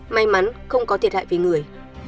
may mắn không có thiệt hại với người